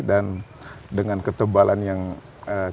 dan dengan ketebalan yang keras